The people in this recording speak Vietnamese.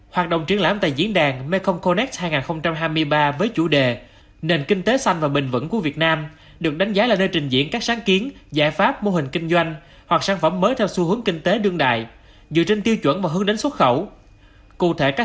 hoạt động triển lãm tại diễn đàn mekong connect hai nghìn hai mươi ba với chủ đề nền kinh tế xanh và bình vẩn của việt nam được đánh giá là nơi trình diễn các sáng kiến giải pháp mô hình kinh doanh hoặc sản phẩm mới theo xu hướng kinh tế đương đại dựa trên tiêu chuẩn và hướng đến xuất khẩu